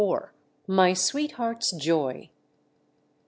MY sweetheart's JOY.